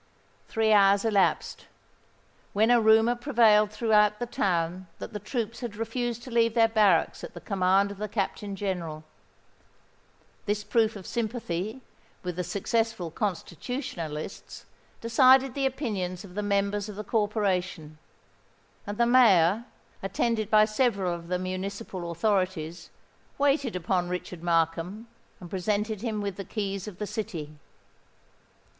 Three hours elapsed; when a rumour prevailed throughout the town that the troops had refused to leave their barracks at the command of the Captain General. This proof of sympathy with the successful Constitutionalists decided the opinions of the members of the corporation; and the Mayor, attended by several of the municipal authorities, waited upon Richard Markham and presented him with the keys of the city.